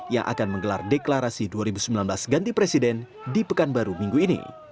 yang akan menggelar deklarasi dua ribu sembilan belas ganti presiden di pekanbaru minggu ini